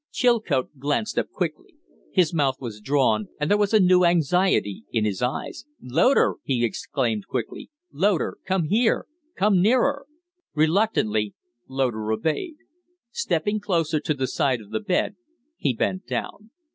Chilcote glanced up quickly. His mouth was drawn and there was anew anxiety in his eyes. "Loder!" he exclaimed, quickly. "Loder, come here! Come nearer!" Reluctantly Loder obeyed. Stepping closer to the side of the bed, he bent down.